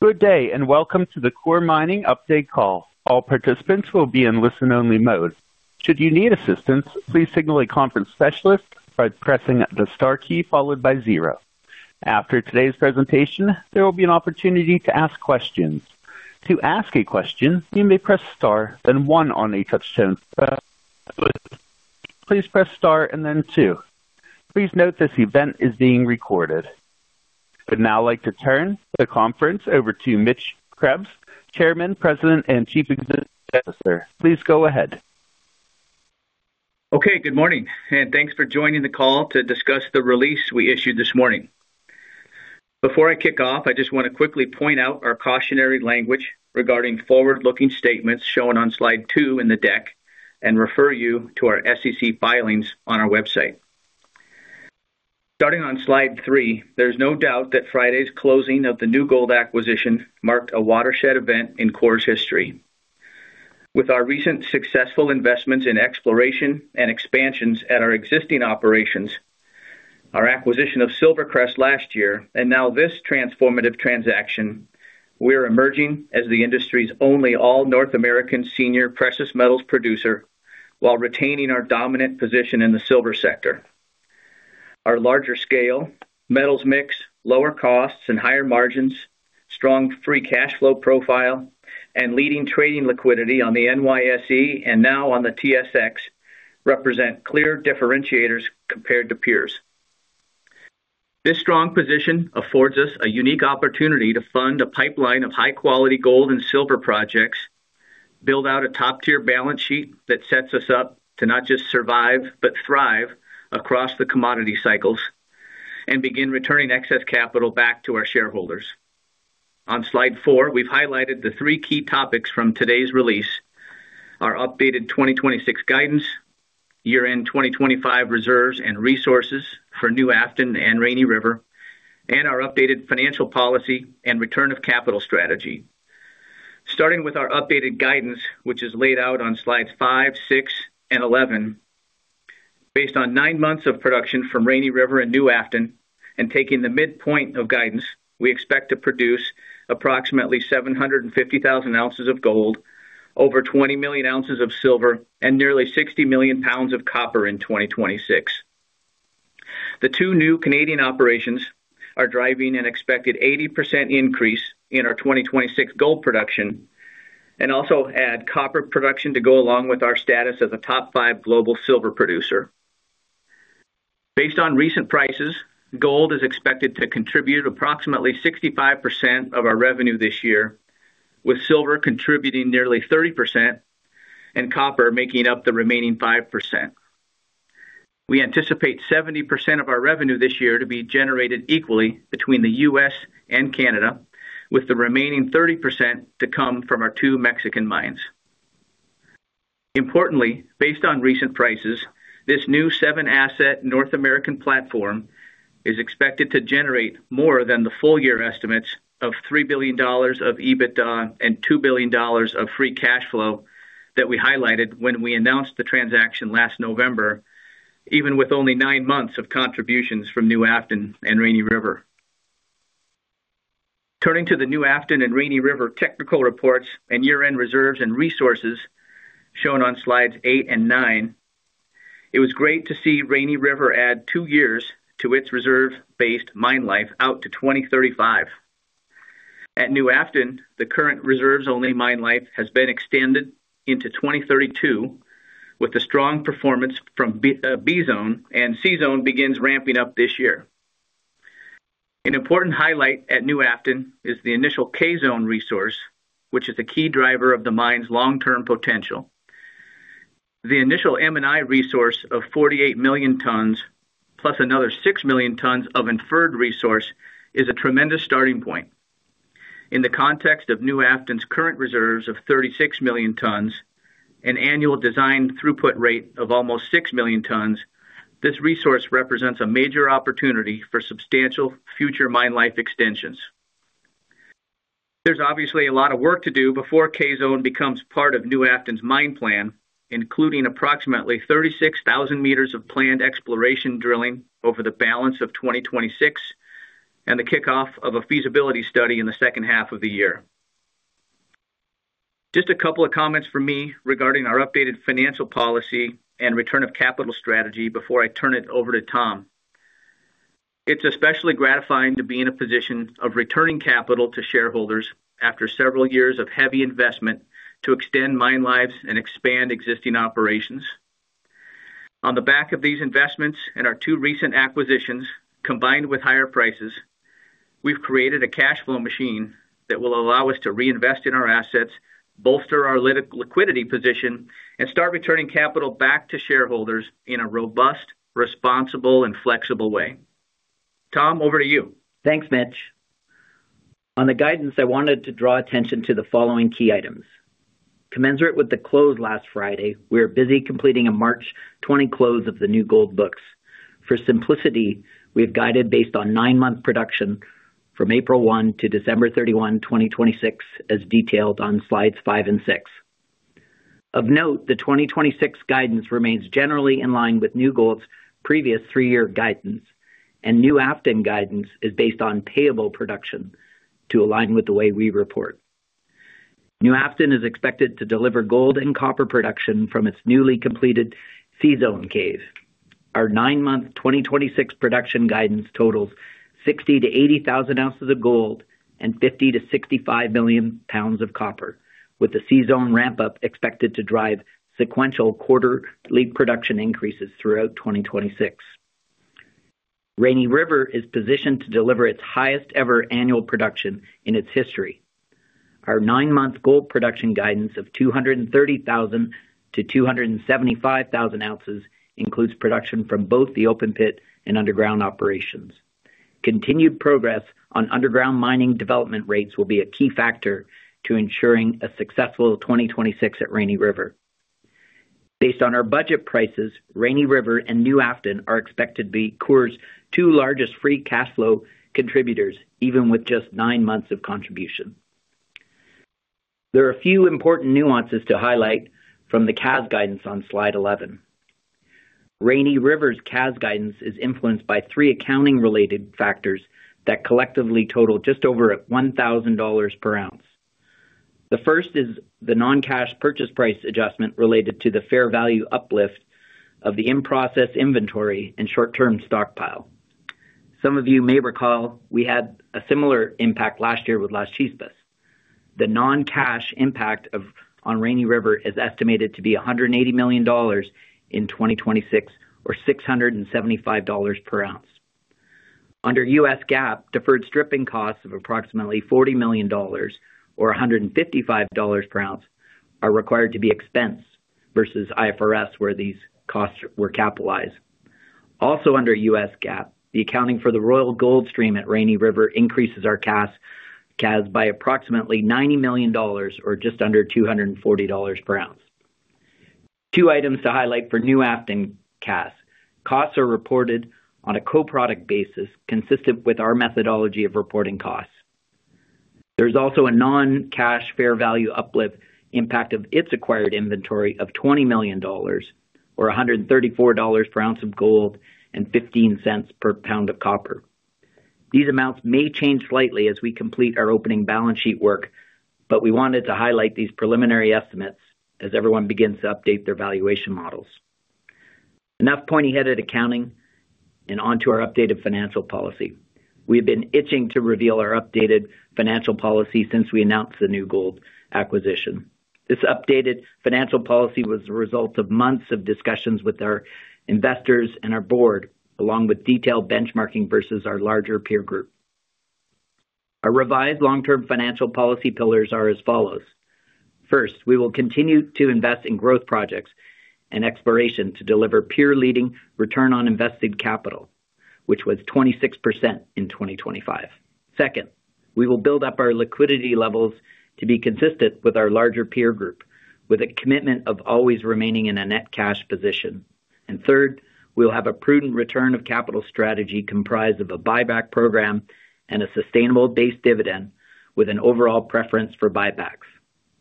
Good day, and welcome to the Coeur Mining update call. All participants will be in listen-only mode. Should you need assistance, please signal a conference specialist by pressing the star key followed by zero. After today's presentation, there will be an opportunity to ask questions. To ask a question, you may press Star, then one on a touchtone. Please press Star and then two. Please note this event is being recorded. I'd now like to turn the conference over to Mitchell Krebs, Chairman, President, and Chief Executive Officer. Please go ahead. Okay, good morning, and thanks for joining the call to discuss the release we issued this morning. Before I kick off, I just want to quickly point out our cautionary language regarding forward-looking statements shown on slide two in the deck and refer you to our SEC filings on our website. Starting on slide three, there's no doubt that Friday's closing of the New Gold acquisition marked a watershed event in Coeur's history. With our recent successful investments in exploration and expansions at our existing operations, our acquisition of SilverCrest last year, and now this transformative transaction, we're emerging as the industry's only all-North American senior precious metals producer while retaining our dominant position in the silver sector. Our larger scale, metals mix, lower costs and higher margins, strong free cash flow profile, and leading trading liquidity on the NYSE and now on the TSX represent clear differentiators compared to peers. This strong position affords us a unique opportunity to fund a pipeline of high-quality gold and silver projects, build out a top-tier balance sheet that sets us up to not just survive, but thrive across the commodity cycles, and begin returning excess capital back to our shareholders. On slide four, we've highlighted the three key topics from today's release, our updated 2026 guidance, year-end 2025 reserves and resources for New Afton and Rainy River, and our updated financial policy and return of capital strategy. Starting with our updated guidance, which is laid out on slides five, six and 11. Based on nine months of production from Rainy River and New Afton, and taking the midpoint of guidance, we expect to produce approximately 750,000 ounces of gold, over 20 million ounces of silver, and nearly 60 million pounds of copper in 2026. The two new Canadian operations are driving an expected 80% increase in our 2026 gold production, and also add copper production to go along with our status as a top five global silver producer. Based on recent prices, gold is expected to contribute approximately 65% of our revenue this year, with silver contributing nearly 30% and copper making up the remaining 5%. We anticipate 70% of our revenue this year to be generated equally between the U.S. and Canada, with the remaining 30% to come from our two Mexican mines. Importantly, based on recent prices, this new seven-asset North American platform is expected to generate more than the full year estimates of $3 billion of EBITDA and $2 billion of free cash flow that we highlighted when we announced the transaction last November, even with only nine months of contributions from New Afton and Rainy River. Turning to the New Afton and Rainy River technical reports and year-end reserves and resources shown on slides eight and nine, it was great to see Rainy River add two years to its reserve-based mine life out to 2035. At New Afton, the current reserves-only mine life has been extended into 2032 with a strong performance from B-Zone, and C-Zone begins ramping up this year. An important highlight at New Afton is the initial K-Zone resource, which is a key driver of the mine's long-term potential. The initial M&I resource of 48 million tonnes plus another 6 million tonnes of inferred resource is a tremendous starting point. In the context of New Afton's current reserves of 36 million tonnes, an annual design throughput rate of almost 6 million tonnes, this resource represents a major opportunity for substantial future mine life extensions. There's obviously a lot of work to do before K-Zone becomes part of New Afton's mine plan, including approximately 36,000 m of planned exploration drilling over the balance of 2026 and the kickoff of a feasibility study in the second half of the year. Just a couple of comments from me regarding our updated financial policy and return of capital strategy before I turn it over to Tom. It's especially gratifying to be in a position of returning capital to shareholders after several years of heavy investment to extend mine lives and expand existing operations. On the back of these investments and our two recent acquisitions, combined with higher prices, we've created a cash flow machine that will allow us to reinvest in our assets, bolster our liquidity position, and start returning capital back to shareholders in a robust, responsible, and flexible way. Tom, over to you. Thanks, Mitch. On the guidance, I wanted to draw attention to the following key items. Commensurate with the close last Friday, we're busy completing a March 20 close of the New Gold books. For simplicity, we have guided based on 9-month production from April 1 to December 31, 2026, as detailed on slides five and six. Of note, the 2026 guidance remains generally in line with New Gold's previous three-year guidance, and New Afton guidance is based on payable production to align with the way we report. New Afton is expected to deliver gold and copper production from its newly completed C-Zone cave. Our nine-month 2026 production guidance totals 60,000-80,000 ounces of gold and 50million-65 million pounds of copper, with the C-Zone ramp up expected to drive sequential quarterly production increases throughout 2026. Rainy River is positioned to deliver its highest ever annual production in its history. Our nine-month gold production guidance of 230,000-275,000 ounces includes production from both the open pit and underground operations. Continued progress on underground mining development rates will be a key factor to ensuring a successful 2026 at Rainy River. Based on our budget prices, Rainy River and New Afton are expected to be Coeur's two largest free cash flow contributors, even with just nine months of contribution. There are a few important nuances to highlight from the CAS guidance on slide 11. Rainy River's CAS guidance is influenced by three accounting related factors that collectively total just over $1,000 per ounce. The first is the non-cash purchase price adjustment related to the fair value uplift of the in-process inventory and short-term stockpile. Some of you may recall we had a similar impact last year with Las Chispas. The non-cash impact on Rainy River is estimated to be $180 million in 2026 or $675 per ounce. Under U.S. GAAP, deferred stripping costs of approximately $40 million or $155 per ounce are required to be expensed versus IFRS, where these costs were capitalized. Also under U.S. GAAP, the accounting for the Royal Gold stream at Rainy River increases our CAS by approximately $90 million or just under $240 per ounce. Two items to highlight for New Afton CAS. Costs are reported on a co-product basis consistent with our methodology of reporting costs. There's also a non-cash fair value uplift impact of its acquired inventory of $20 million or $134 per ounce of gold and $0.15 per pound of copper. These amounts may change slightly as we complete our opening balance sheet work, but we wanted to highlight these preliminary estimates as everyone begins to update their valuation models. Enough pointy-headed accounting and onto our updated financial policy. We have been itching to reveal our updated financial policy since we announced the New Gold acquisition. This updated financial policy was the result of months of discussions with our investors and our board, along with detailed benchmarking versus our larger peer group. Our revised long-term financial policy pillars are as follows. First, we will continue to invest in growth projects and exploration to deliver peer leading return on invested capital, which was 26% in 2025. Second, we will build up our liquidity levels to be consistent with our larger peer group, with a commitment of always remaining in a net cash position. Third, we'll have a prudent return of capital strategy comprised of a buyback program and a sustainable base dividend with an overall preference for buybacks.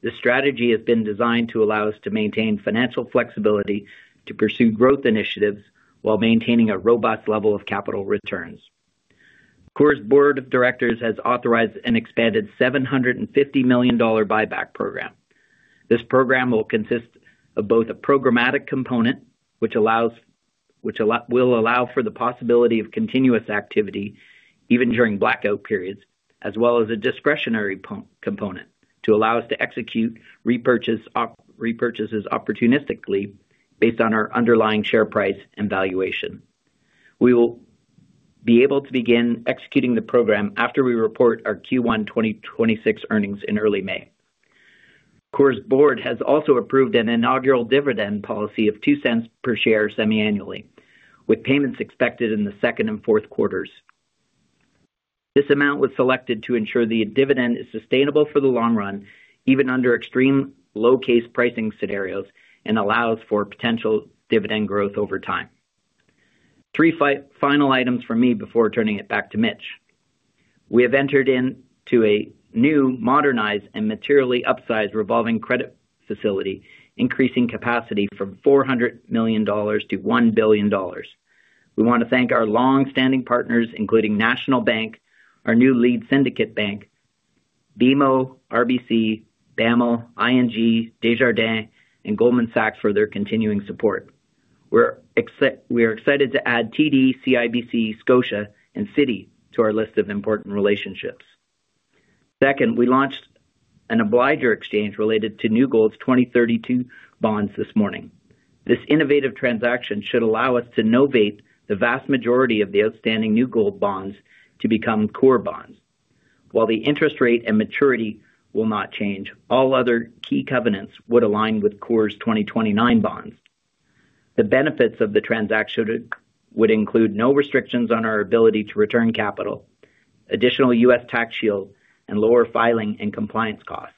This strategy has been designed to allow us to maintain financial flexibility to pursue growth initiatives while maintaining a robust level of capital returns. Coeur's Board of Directors has authorized an expanded $750 million buyback program. This program will consist of both a programmatic component, which will allow for the possibility of continuous activity even during blackout periods, as well as a discretionary component to allow us to execute repurchases opportunistically based on our underlying share price and valuation. We will be able to begin executing the program after we report our Q1 2026 earnings in early May. Coeur's Board has also approved an inaugural dividend policy of $0.02 per share semi-annually, with payments expected in the second and fourth quarters. This amount was selected to ensure the dividend is sustainable for the long run, even under extreme low case pricing scenarios, and allows for potential dividend growth over time. Three final items from me before turning it back to Mitch. We have entered into a new modernized and materially upsized revolving credit facility, increasing capacity from $400 million to $1 billion. We want to thank our long-standing partners, including National Bank, our new lead syndicate bank, BMO, RBC, BAML, ING, Desjardins, and Goldman Sachs for their continuing support. We are excited to add TD, CIBC, Scotia, and Citi to our list of important relationships. Second, we launched an obligor exchange related to New Gold's 2032 bonds this morning. This innovative transaction should allow us to novate the vast majority of the outstanding New Gold bonds to become Coeur bonds. While the interest rate and maturity will not change, all other key covenants would align with Coeur's 2029 bonds. The benefits of the transaction would include no restrictions on our ability to return capital, additional U.S. tax shield, and lower filing and compliance costs.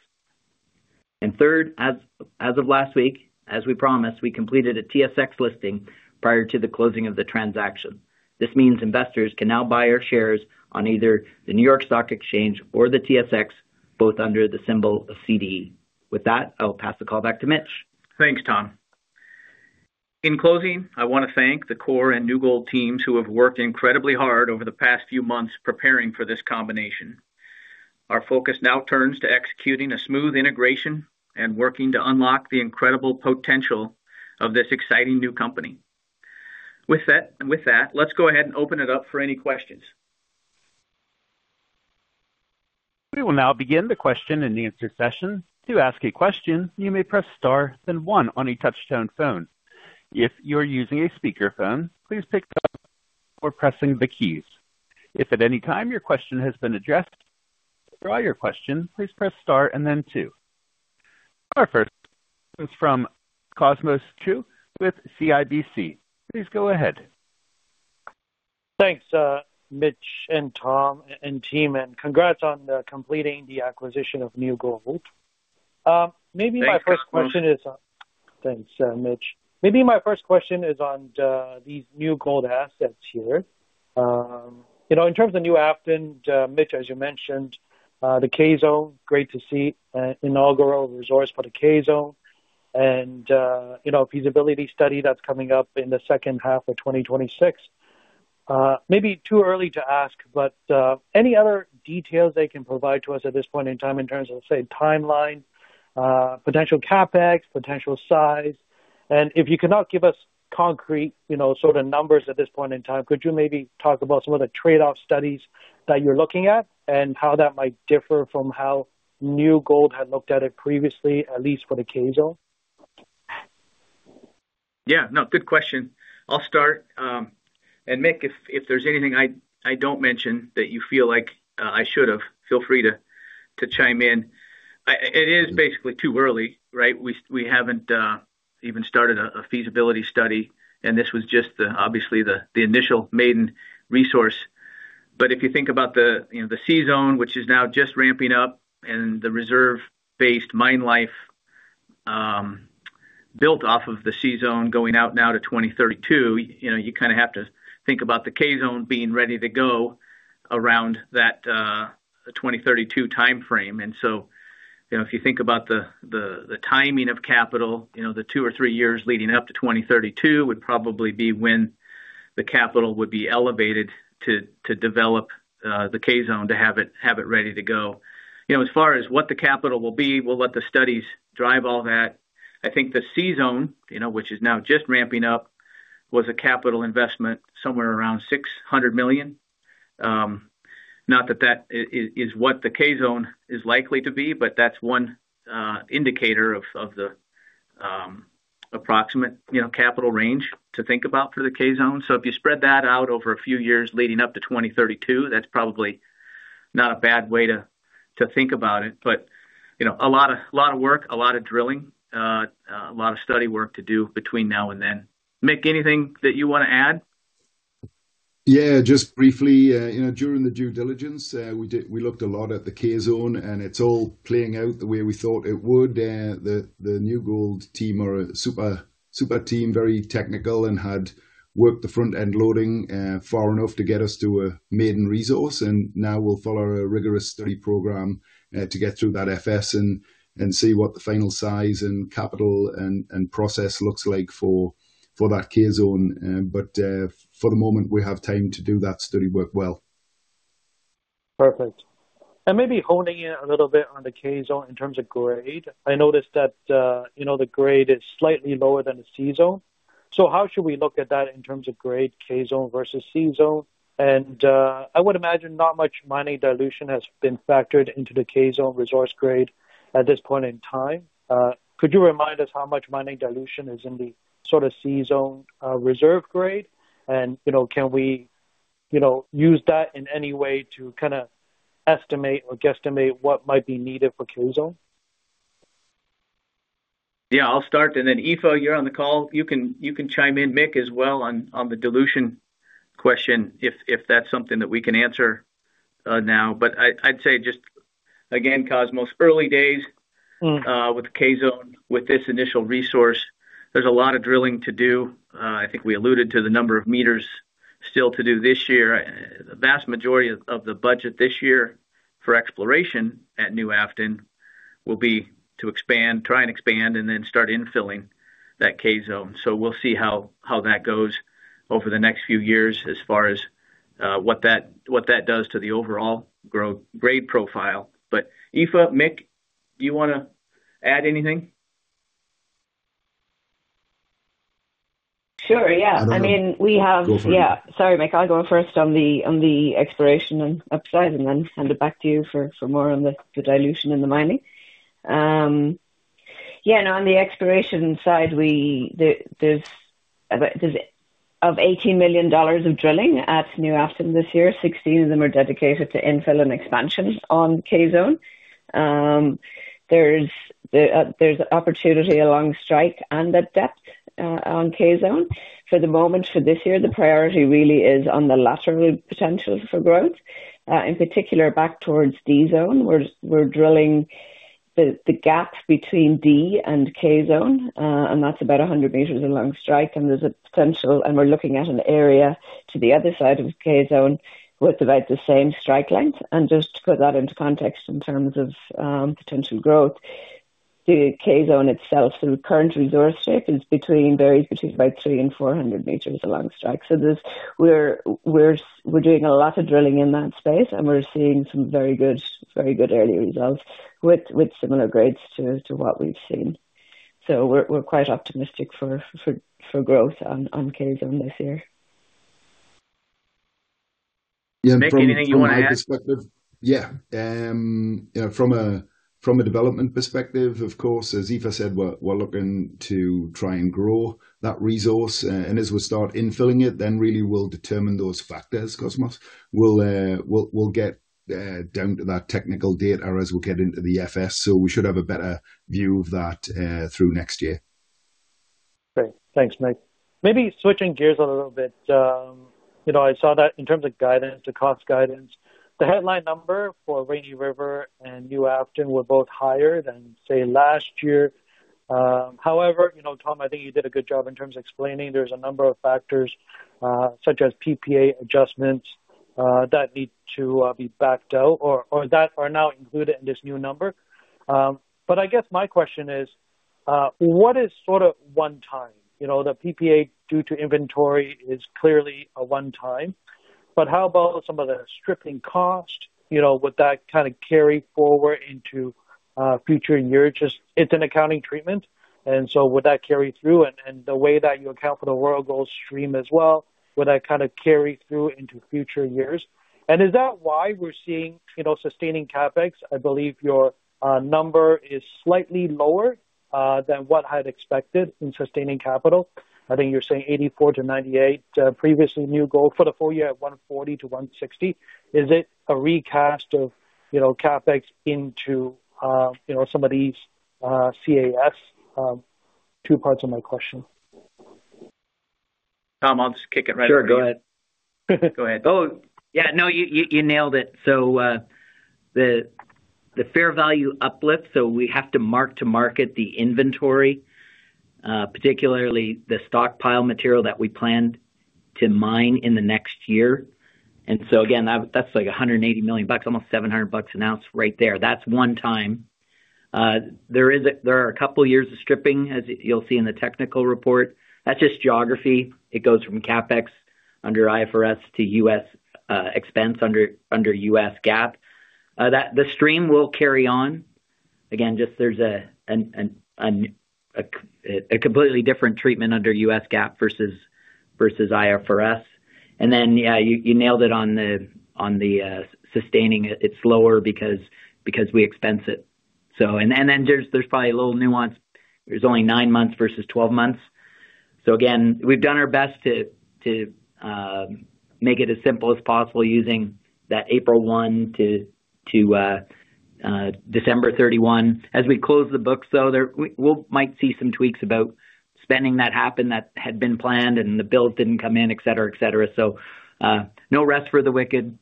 Third, as we promised, we completed a TSX listing prior to the closing of the transaction. This means investors can now buy our shares on either the New York Stock Exchange or the TSX, both under the symbol of CDE. With that, I'll pass the call back to Mitch. Thanks, Tom. In closing, I want to thank the Coeur and New Gold teams who have worked incredibly hard over the past few months preparing for this combination. Our focus now turns to executing a smooth integration and working to unlock the incredible potential of this exciting new company. With that, let's go ahead and open it up for any questions. We will now begin the question-and-answer session. To ask a question, you may press star then one on a touchtone phone. If you're using a speakerphone, please pick up before pressing the keys. If at any time your question has been addressed or to withdraw your question, please press star and then two. Our first is from Cosmos Chiu with CIBC. Please go ahead. Thanks, Mitch and Tom and team, and congrats on completing the acquisition of New Gold. Thanks. Thanks, Mitch. Maybe my first question is on the, these New Gold assets here. You know, in terms of New Afton, Mitch, as you mentioned, the K-Zone, great to see an inaugural resource for the K-Zone and, you know, feasibility study that's coming up in the second half of 2026. Maybe too early to ask, but, any other details they can provide to us at this point in time in terms of, say, timeline, potential CapEx, potential size. If you cannot give us concrete, you know, sort of numbers at this point in time, could you maybe talk about some of the trade-off studies that you're looking at and how that might differ from how New Gold had looked at it previously, at least for the K-Zone? Yeah, no, good question. I'll start, and Mick, if there's anything I don't mention that you feel like I should've, feel free to chime in. It is basically too early, right? We haven't even started a feasibility study, and this was just the, obviously the initial maiden resource. But if you think about the, you know, the C-Zone, which is now just ramping up and the reserve-based mine life, built off of the C-Zone going out now to 2032, you know, you kind of have to think about the K-Zone being ready to go around that 2032 timeframe. If you think about the timing of capital the two or three years leading up to 2032 would probably be when the capital would be elevated to develop the K-Zone to have it ready to go. You know, as far as what the capital will be, we'll let the studies drive all that. I think the C-Zone, you know, which is now just ramping up, was a capital investment somewhere around $600 million. Not that that is what the K-Zone is likely to be, but that's one indicator of the approximate, you know, capital range to think about for the K-Zone. If you spread that out over a few years leading up to 2032, that's probably not a bad way to think about it. A lot of work, a lot of drilling, a lot of study work to do between now and then. Mick, anything that you want to add? Yeah, just briefly. During the due diligence, we looked a lot at the K-Zone, and it's all playing out the way we thought it would. The New Gold team are a super team, very technical and had worked the front-end loading far enough to get us to a maiden resource. Now we'll follow a rigorous study program to get through that FS and see what the final size and capital and process looks like for that K-Zone. For the moment, we have time to do that study work well. Perfect. Maybe honing in a little bit on the K-Zone in terms of grade. I noticed that, you know, the grade is slightly lower than the C-Zone. How should we look at that in terms of grade K-Zone versus C-Zone? I would imagine not much mining dilution has been factored into the K-Zone resource grade at this point in time. Could you remind us how much mining dilution is in the sort of C-Zone reserve grade? You know, can we, you know, use that in any way to kinda estimate or guesstimate what might be needed for K-Zone? Yeah, I'll start and then Aoife, you're on the call, you can chime in, Mick, as well on the dilution question if that's something that we can answer now. I'd say just again, Cosmos, early days with the K-Zone, with this initial resource. There's a lot of drilling to do. I think we alluded to the number of meters still to do this year. The vast majority of the budget this year for exploration at New Afton will be to expand, try and expand and then start infilling that K-Zone. We'll see how that goes over the next few years as far as what that does to the overall grade profile. Aoife, Mick, do you wanna add anything? Sure, yeah. I mean, we have. Yeah. Sorry, Mick. I'll go first on the exploration and upside, and then send it back to you for more on the dilution and the mining. On the exploration side, there's $18 million of drilling at New Afton this year, 16 of them are dedicated to infill and expansion on K-Zone. There's opportunity along strike and at depth on K-Zone. For the moment, for this year, the priority really is on the lateral potential for growth. In particular, back towards D-Zone, we're drilling the gap between D-Zone and K-Zone, and that's about 100 m along strike, and there's a potential. We're looking at an area to the other side of K-Zone with about the same strike length. Just to put that into context in terms of potential growth, the K-Zone itself, the current resource shape varies between about 300 m-400 m along strike. We're doing a lot of drilling in that space, and we're seeing some very good early results with similar grades to what we've seen. We're quite optimistic for growth on K-Zone this year. Mick, anything you want to add? Yeah. You know, from a development perspective, of course, as Aoife said, we're looking to try and grow that resource. And as we start infilling it, then really we'll determine those factors, Cosmos. We'll get down to that technical data or as we get into the FS, so we should have a better view of that through next year. Great. Thanks, Mick. Maybe switching gears a little bit. You know, I saw that in terms of guidance, the cost guidance, the headline number for Rainy River and New Afton were both higher than, say, last year. However, you know, Tom, I think you did a good job in terms of explaining there's a number of factors, such as PPA adjustments, that need to be backed out or that are now included in this new number. But I guess my question is, what is sort of one time? You know, the PPA due to inventory is clearly a one time, but how about some of the stripping cost? You know, would that kind of carry forward into future years? It's an accounting treatment and so would that carry through and the way that you account for the Royal Gold stream as well, would that kind of carry through into future years? Is that why we're seeing, you know, sustaining CapEx? I believe your number is slightly lower than what I'd expected in sustaining capital. I think you're saying $84 million -$98 million, previously New Gold for the full year at $140 million-$160 million. Is it a recast of, you know, CapEx into, you know, some of these CAS? Two parts of my question. Tom, I'll just kick it right off. Sure, go ahead. Oh, yeah, no, you nailed it. The fair value uplift, so we have to mark-to-market the inventory, particularly the stockpile material that we planned to mine in the next year. Again, that's like $180 million, almost $700 an ounce right there. That's one time. There are a couple years of stripping, as you'll see in the technical report. That's just geography. It goes from CapEx under IFRS to U.S. expense under U.S. GAAP. The stream will carry on. Just there's a completely different treatment under U.S. GAAP versus IFRS. Yeah, you nailed it on the sustaining it. It's lower because we expense it. There's probably a little nuance. There's only nine months versus 12 months. We've done our best to make it as simple as possible using that April 1 to December 31. As we close the books, though, we might see some tweaks about spending that happened that had been planned and the bills didn't come in, et cetera, et cetera. No rest for the wicked.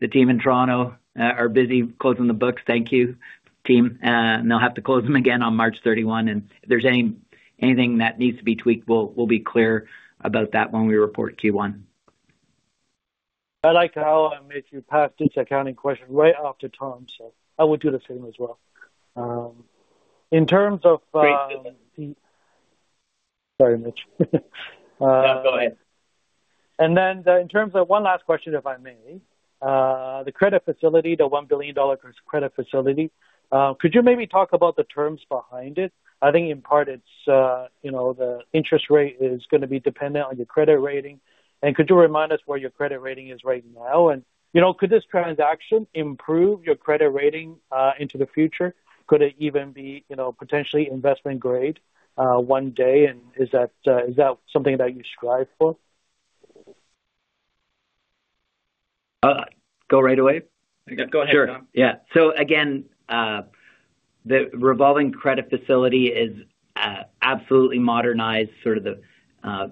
The team in Toronto are busy closing the books. Thank you, team. They'll have to close them again on March 31, and if there's anything that needs to be tweaked, we'll be clear about that when we report Q1. I like how I made you pass this accounting question right off to Tom, so I would do the same as well. In terms of, Great system. Sorry, Mitch. No, go ahead. One last question, if I may. The credit facility, the $1 billion credit facility, could you maybe talk about the terms behind it? I think in part it's, you know, the interest rate is gonna be dependent on your credit rating. Could you remind us where your credit rating is right now? You know, could this transaction improve your credit rating into the future? Could it even be, you know, potentially investment grade one day? Is that something that you strive for? Go right away? Go ahead, Tom. Sure. Yeah. Again, the revolving credit facility is absolutely modernized, sort of the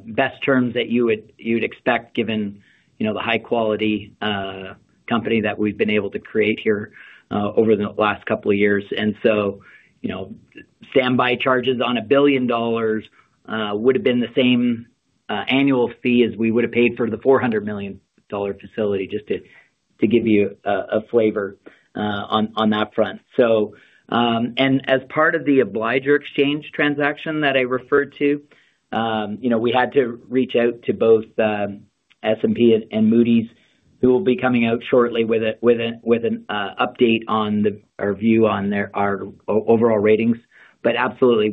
best terms that you would expect given, you know, the high quality company that we've been able to create here over the last couple of years. You know, standby charges on $1 billion would have been the same annual fee as we would have paid for the $400 million facility, just to give you a flavor on that front. As part of the obligor exchange transaction that I referred to, you know, we had to reach out to both S&P and Moody's, who will be coming out shortly with an update on their view on our overall ratings. Absolutely,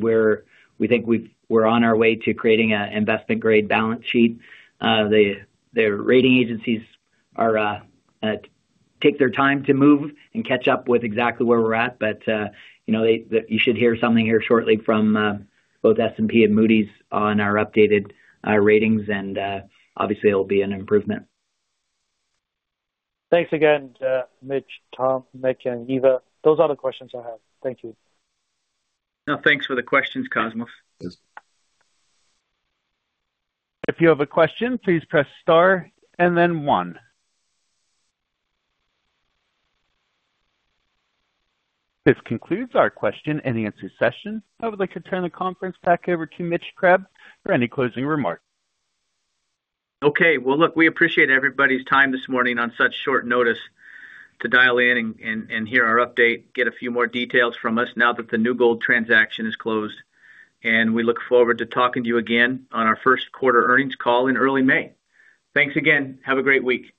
we think we're on our way to creating an investment-grade balance sheet. The rating agencies take their time to move and catch up with exactly where we're at. You know, you should hear something here shortly from both S&P and Moody's on our updated ratings, and obviously it'll be an improvement. Thanks again, Mitch, Tom, Mitch and Aoife. Those are the questions I have. Thank you. No, thanks for the questions, Cosmos. This concludes our question and answer session. I would like to turn the conference back over to Mitch Krebs for any closing remarks. Okay. Well, look, we appreciate everybody's time this morning on such short notice to dial in and hear our update, get a few more details from us now that the New Gold transaction is closed. We look forward to talking to you again on our first quarter earnings call in early May. Thanks again. Have a great week.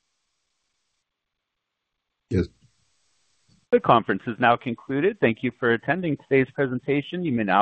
The conference is now concluded. Thank you for attending today's presentation. You may now